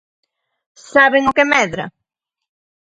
¿Saben o que medra?